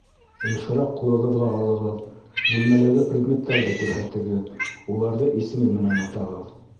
Йышыраҡ ҡулығыҙға алығыҙ, бүлмәләге предметтарҙы күрһәтегеҙ, уларҙы исеме менән атағыҙ.